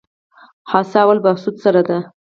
حصه اول بهسود سړه ده؟